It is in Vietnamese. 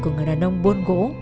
của người đàn ông buôn gỗ